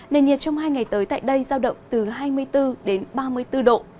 nền nhiệt trong hai ngày tới tại đây giao động từ hai mươi bốn đến ba mươi bốn độ